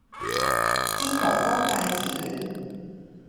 煎鵝肝帶子卷